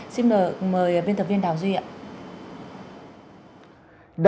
xin mời biên tập viên đào duy ạ